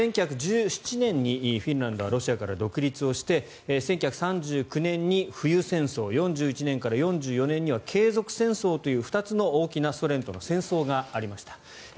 １９１７年にフィンランドはロシアから独立をして１９３９年に冬戦争４１年から４４年には継続戦争という２つの大きなソ連との戦争がありました。